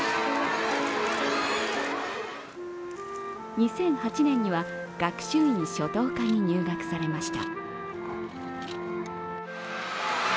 ２００８年には学習院初等科に入学されました。